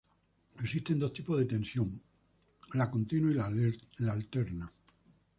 Existen dos tipos de tensión: la continua y la alterna.